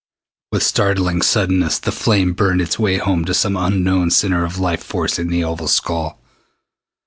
With startling suddenness the flame burned its way home to some unknown center of life force in the oval skull.